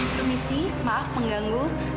permisi maaf mengganggu